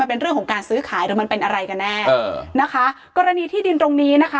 เป็นเรื่องของการซื้อขายหรือมันเป็นอะไรกันแน่เออนะคะกรณีที่ดินตรงนี้นะคะ